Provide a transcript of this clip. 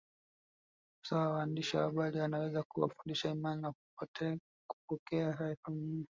Afisa wa waandishi wa habari anaweza kuwafundisha imani na kupokea taarifa muhimu